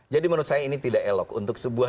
jadi menurut saya ini tidak elok untuk sebuah